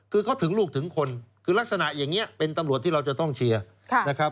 คือเขาถึงลูกถึงคนคือลักษณะอย่างนี้เป็นตำรวจที่เราจะต้องเชียร์นะครับ